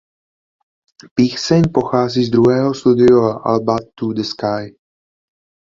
Píseň pochází z jeho druhého studiového alba "To the Sky".